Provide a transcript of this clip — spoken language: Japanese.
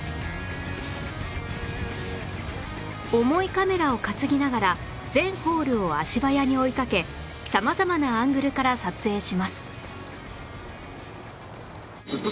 重いカメラを担ぎながら全ホールを足早に追いかけ様々なアングルから撮影します